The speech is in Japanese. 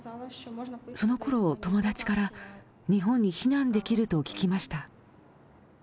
そのころ、友達から、日本に避難できると聞きました。